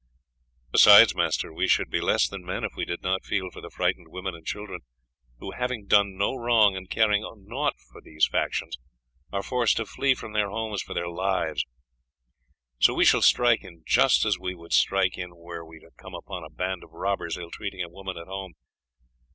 Besides, master, we should be less than men if we did not feel for the frightened women and children who, having done no wrong, and caring naught for these factions, are forced to flee from their homes for their lives; so we shall strike in just as we should strike in were we to come upon a band of robbers ill treating a woman at home....